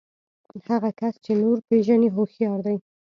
هغه کس چې نور پېژني هوښيار دی.